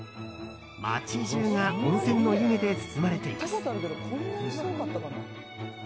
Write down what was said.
街中が温泉の湯気で包まれています。